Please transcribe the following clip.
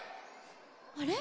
あれ？